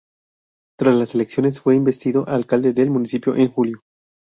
Tras las elecciones fue investido alcalde del municipio en julio.